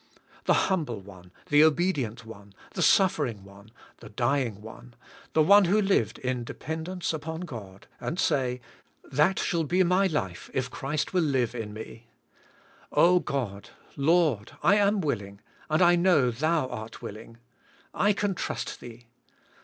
The Humble One, the Obedi ent One, the Suffering One, theDj^ng One, the One who lived in dependence upon God, and say. That shall be my life if Christ will live in me. Oh ! God, CHRIST I^IVKTH IN MK. 157 LfOrd, I am willing , and I know Thou art willing*. I can trust Thee.